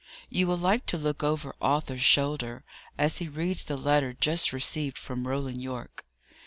You will like to look over Arthur's shoulder, as he reads the letter just received from Roland Yorke.